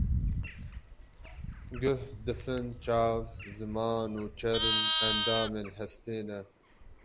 Guh, difin, çav, ziman û çerm endamên hestê ne.